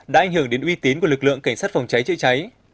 đã ảnh hưởng đến uy tín của lực lượng cảnh sát phòng cháy chữa cháy